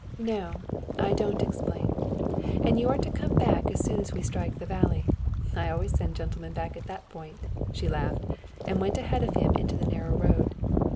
"No; I don't explain; and you are to come back as soon as we strike the valley. I always send gentlemen back at that point," she laughed, and went ahead of him into the narrow road.